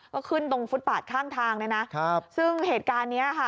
ก็ขึ้นตรงฟุตปาดข้างทางเนี่ยนะครับซึ่งเหตุการณ์เนี้ยค่ะ